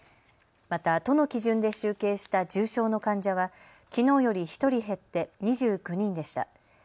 また都の基準で集計した重症の患者はきのうより１人減って２９人でした。